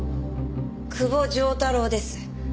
久保丈太郎です。